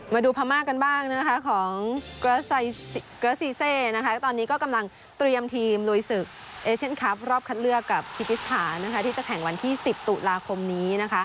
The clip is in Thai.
มาดูพม่ากันบ้างของเกรสซีเซตอนนี้ก็กำลังเตรียมทีมลุยศึกเอเชียนคลับรอบคัดเลือกกับคิกิสถานที่จะแข่งวันที่๑๐ตุลาคมนี้